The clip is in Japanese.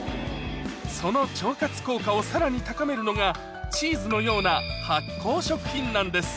その腸活効果をさらに高めるのがチーズのような発酵食品なんです